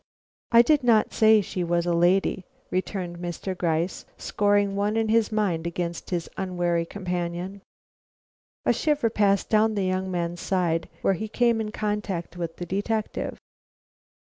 "I did not say she was a lady," returned Mr. Gryce, scoring one in his mind against his unwary companion. A quiver passed down the young man's side where he came in contact with the detective.